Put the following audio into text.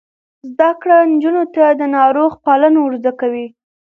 زده کړه نجونو ته د ناروغ پالنه ور زده کوي.